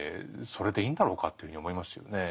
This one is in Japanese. それでいいんだろうかというふうに思いますよね。